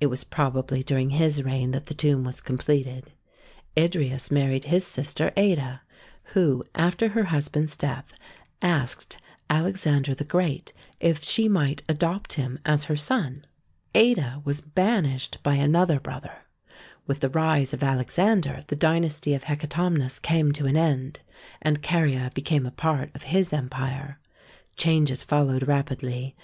It was probably during his reign that the tomb was completed. Idrieus married his sister Ada, who, after her husband's death, asked Alexander the Great if she might adopt him as her son. Ada was ban d o *> two ,5 tfi cd ", 6 s CO O O OT 0) THE TOMB OF KING MAU SOLUS 143 ished by another brother. With the rise of Alex ander the dynasty of Hecatomnus came to an end, and Caria became a part of his empire. Changes followed rapidly.